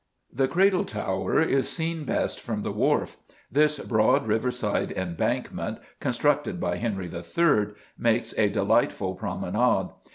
The Cradle Tower is seen best from the Wharf. This broad riverside embankment constructed by Henry III. makes a delightful promenade.